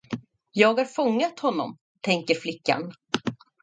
Jag har fångat honom, tänker flickan.